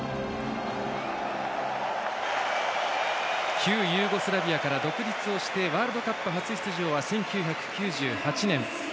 旧ユーゴスラビアから独立をしてワールドカップ初出場は１９９８年。